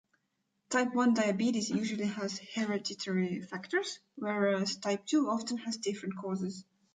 Type one diabetes usually has hereditary factors, whereas type two often has different causes.